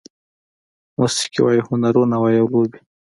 موسيقي وای، هنرونه وای او لوبې